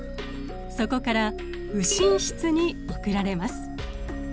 そこから右心室に送られます。